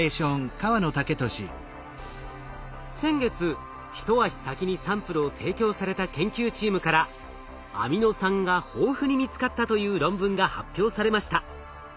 先月一足先にサンプルを提供された研究チームからアミノ酸が豊富に見つかったという論文が発表されました。